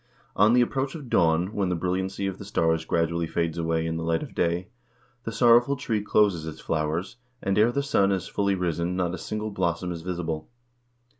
On the approach of dawn, when the brilliancy of the stars gradually fades away in the light of day, the Sorrowful Tree closes its flowers, and ere the sun is fully risen not a single blossom is visible.